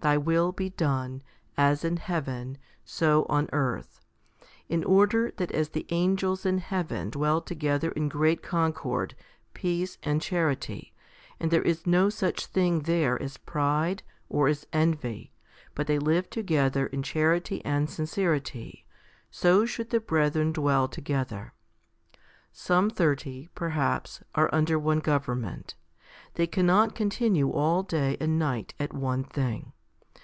Thy will be done, as in heaven, so on earth, 1 in order that as the angels in heaven dwell together in great concord, peace, and charity, and there is no such thing there as pride, or as envy, but they live together in charity and sincerity, so should the brethren dwell together. Some thirty, perhaps, are under one government ; they cannot continue all day and night at one thing.